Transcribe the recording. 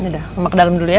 yaudah mama ke dalam dulu ya